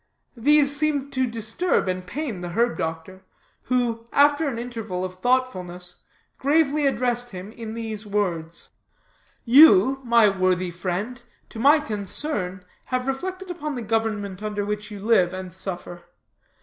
These seemed to disturb and pain the herb doctor, who, after an interval of thoughtfulness, gravely addressed him in these words: "You, my Worthy friend, to my concern, have reflected upon the government under which you live and suffer.